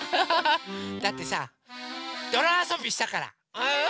だってさどろあそびしたから！